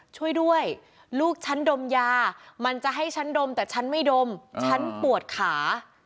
ช่วยด้วยลูกฉันดมยามันจะให้ฉันดมแต่ฉันไม่ดมฉันปวดขา